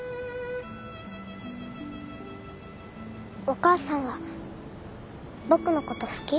お母さんは僕のこと好き？